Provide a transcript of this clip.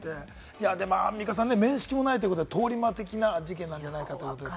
アンミカさん、面識もないということで、通り魔的な事件なんじゃないかということですが。